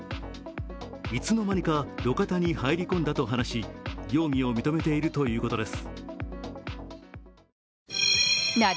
いつの間にか路肩に入り込んだと話し容疑を認めているということです。